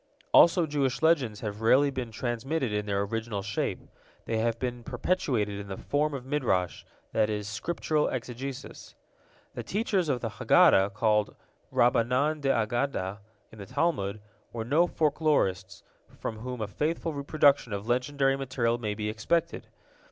Also Jewish legends have rarely been transmitted in their original shape. They have been perpetuated in the form of Midrash, that is, Scriptural exegesis. The teachers of the Haggadah, called Rabbanan d'Aggadta in the Talmud, were no folklorists, from whom a faithful reproduction of legendary material may be expected.